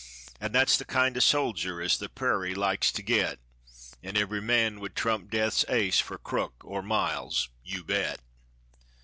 An' that's the kind o' soldier as the prairy likes to get, An' every man would trump Death's ace for Crook or Miles, you bet.